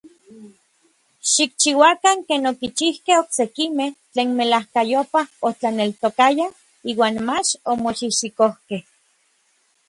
Xikchiuakan ken okichijkej oksekimej tlen melajkayopaj otlaneltokayaj iuan mach omoxijxikojkej.